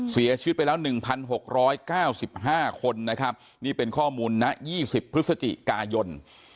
เสียชีวิตไปแล้ว๑๖๙๕คนนะครับนี่เป็นข้อมูลณ๒๐พฤศจิกายน